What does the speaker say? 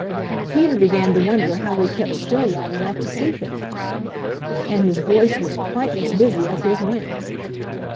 Peter began to wonder how he kept still long enough to sleep at night. And his voice was quite as busy as his wings.